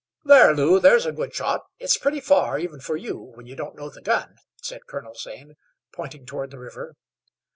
"There, Lew; there's a good shot. It's pretty far, even for you, when you don't know the gun," said Colonel Zane, pointing toward the river.